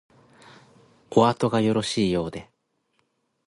おあとがよろしいようで